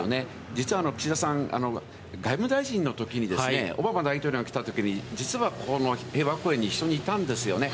実は岸田さんは外務大臣のときにオバマ大統領が来たときに、実はこの平和公園に一緒にいたんですよね。